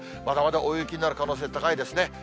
まだまだ大雪になる可能性高いですね。